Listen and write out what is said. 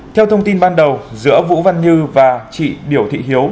theo thông tin ban đầu giữa vũ văn như và chị điểu thị hiếu